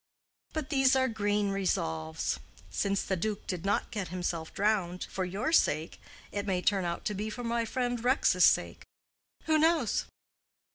But these are green resolves. Since the duke did not get himself drowned for your sake, it may turn out to be for my friend Rex's sake. Who knows?"